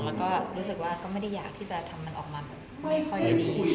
แล้วก็รู้สึกว่าก็ไม่ได้อยากที่จะทำมันออกมาแบบไม่ค่อยดี